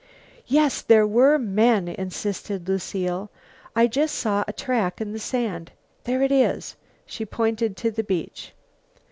"Yes, there were men," insisted Lucile. "I just saw a track in the sand. There it is." She pointed to the beach.